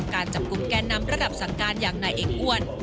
การจับกลุ่มแกนนำระดับสั่งการอย่างนายเอกอ้วน